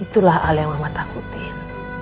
itulah hal yang mama takutin